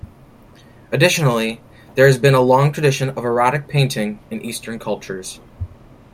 Additionally, there has been a long tradition of erotic painting in Eastern cultures.